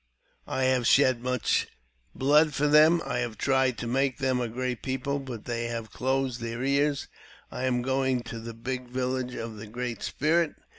I have shed much blood for them. I have tried to make them a great people, but they have closed their ears. I am going to the big village of the Great Spirit.